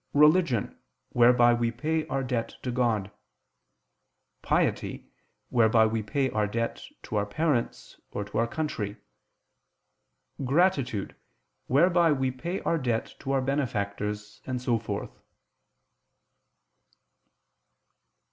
Religion whereby we pay our debt to God; Piety, whereby we pay our debt to our parents or to our country; Gratitude, whereby we pay our debt to our benefactors, and so forth.